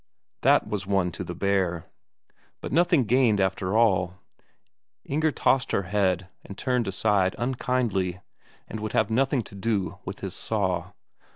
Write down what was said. That was one to the bear. But nothing gained after all. Inger tossed her head and turned aside unkindly, and would have nothing to do with his saw.